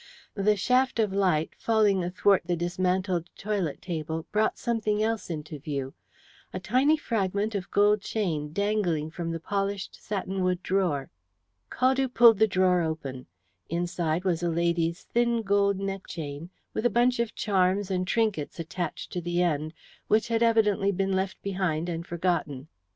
The shaft of light, falling athwart the dismantled toilet table, brought something else into view a tiny fragment of gold chain dangling from the polished satinwood drawer. Caldew pulled the drawer open. Inside was a lady's thin gold neck chain, with a bundle of charms and trinkets attached to the end, which had evidently been left behind and forgotten.